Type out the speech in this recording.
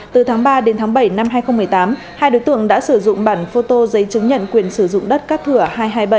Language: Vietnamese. từ tháng ba đến tháng bảy năm hai nghìn một mươi tám hai đối tượng đã sử dụng bản phô tô giấy chứng nhận quyền sử dụng đất cắt thửa